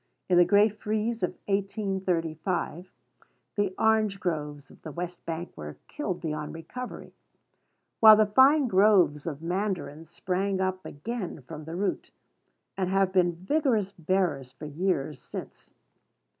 In the great freeze of 1835, the orange groves of the west bank were killed beyond recovery; while the fine groves of Mandarin sprang up again from the root, and have been vigorous bearers for years since.